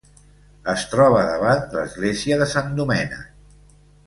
Es troba davant l'església de Sant Domènec.